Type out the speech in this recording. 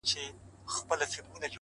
راته راگوره مه د سره اور انتهاء به سم’